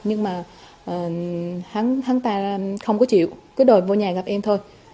nhưng mà hắn ta không có chịu cứ đòi vô nhà gặp em thôi